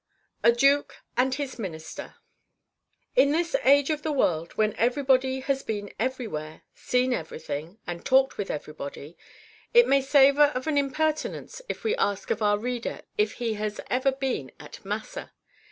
A DUKE AND HIS MINISTER In this age of the world, when everybody has been everywhere, seen everything, and talked with everybody, it may savor of an impertinence if we ask of our reader if he has ever been at Massa.